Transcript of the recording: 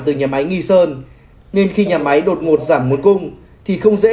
từ nhà máy nghi sơn nên khi nhà máy đột ngột giảm một cung thì không dễ